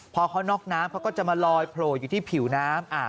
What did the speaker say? พอเขาน็อกน้ำเขาก็จะมาลอยโผล่อยู่ที่ผิวน้ำ